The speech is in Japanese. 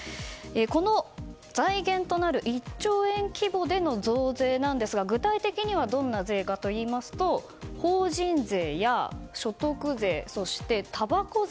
この財源となる１兆円規模での増税ですが具体的にはどんな税かといいますと法人税や所得税、たばこ税